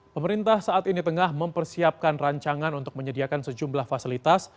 pemerintah saat ini tengah mempersiapkan rancangan untuk menyediakan sejumlah fasilitas